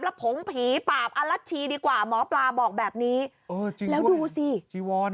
แล้วผงผีปาบอลัชชีดีกว่าหมอปลาบอกแบบนี้เออจริงแล้วดูสิจีวอน